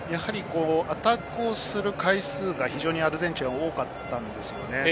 アタックをする回数がアルゼンチンは多かったんですよね。